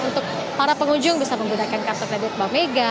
untuk para pengunjung bisa menggunakan kartu kredit bank mega